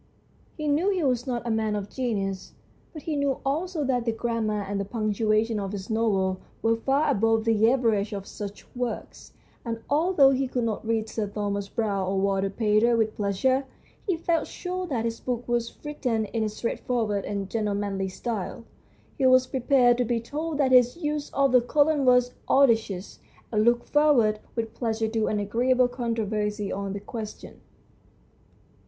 He knew he was not a man of genius, but he knew also that the grammar and the punctua tion of his novel were far above the average of such works, and although he could not read Sir Thomas Browne or Walter Pater with pleasure, he felt sure that his book was written in a straightforward and gentlemanly style. He was prepared to be told that his use of the colon was audacious, and looked forward with pleasure to an agreeable controversy on the question.